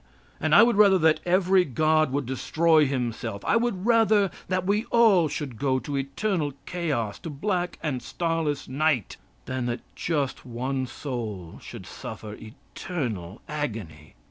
And I would rather that every God would destroy himself; I would rather that we all should go to eternal chaos, to black and starless night, that that just one soul should suffer eternal agony.